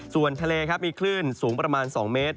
ส่วนทะเลครับมีคลื่นสูงประมาณ๒เมตร